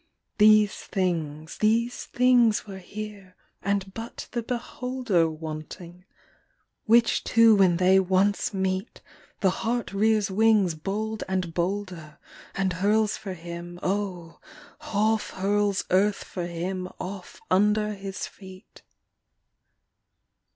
These things, these things were here and but the beholder Wanting; which two when they once meet, The heart rears wings bold and bolder And hurls for him, O half hurls earth for him off under his feet.